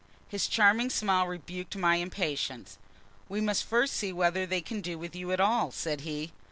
His charming smile rebuked my impatience. "We must first see whether they can do with you at all," said he.